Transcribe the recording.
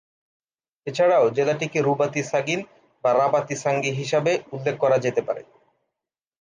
এছাড়াও জেলাটিকে রুবাত-ই-সাগিন বা রাবাত-ই-সাঙ্গি হিসাবে উল্লেখ করা যেতে পারে।